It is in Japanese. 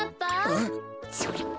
あっそれっ。